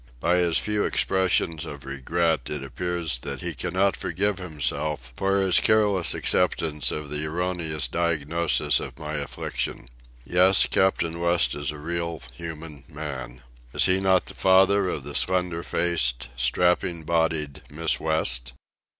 By his few expressions of regret it appears that he cannot forgive himself for his careless acceptance of the erroneous diagnosis of my affliction. Yes; Captain West is a real human man. Is he not the father of the slender faced, strapping bodied Miss West?